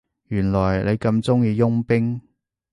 原來你咁鍾意傭兵